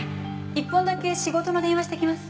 １本だけ仕事の電話してきます。